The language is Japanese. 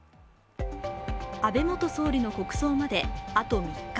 安倍元総理の国葬まであと３日。